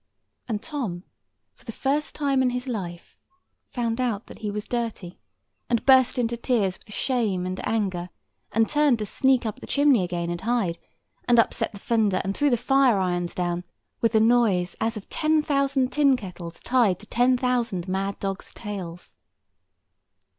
And Tom, for the first time in his life, found out that he was dirty; and burst into tears with shame and anger; and turned to sneak up the chimney again and hide; and upset the fender and threw the fire irons down, with a noise as of ten thousand tin kettles tied to ten thousand mad dogs' tails.